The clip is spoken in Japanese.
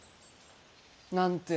なんてぇ